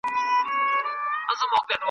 دغو ورېځو هم کتلو .